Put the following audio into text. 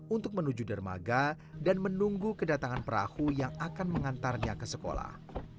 untuk menuju dermaga dan menunggu kedatangan perahu yang akan mengantarnya ke sekolah